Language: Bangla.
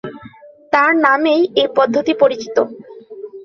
তার নামেই এই পদ্ধতি পরিচিত।